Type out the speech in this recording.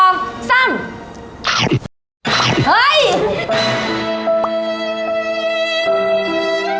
คำสั่ง